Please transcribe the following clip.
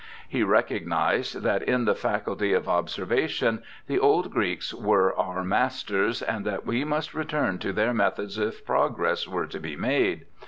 He recognized that in the faculty of observation the old Greeks were our masters, and that we must return to their methods if progress were to be made.